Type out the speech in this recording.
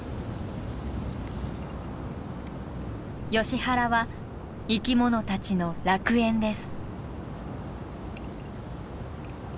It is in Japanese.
ヨシ原は生き物たちの楽園です。